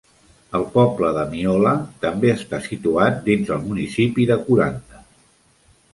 El poble de Myola també està situat dins el municipi de Kuranda.